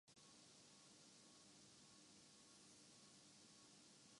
جناب، کراچی دو ٹرینیں چلتی ہیں، ایک صبح چھ بجے اور دوسری شام سات بجے۔